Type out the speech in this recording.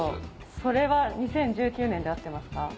それは２０１９年で合ってます？